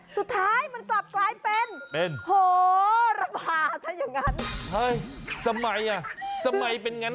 สุดท้ายมันกลับกลายเป้นโหระพาสัยงัน